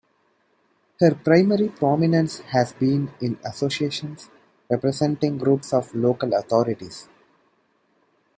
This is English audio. Her primary prominence has been in associations representing groups of local authorities.